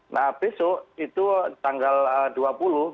nah besok itu tanggal dua puluh menuju dua puluh satu itu ada peningkatan